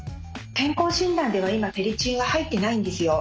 健康診断では今フェリチンは入ってないんですよ。